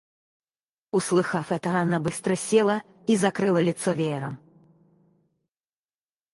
Услыхав это, Анна быстро села и закрыла лицо веером.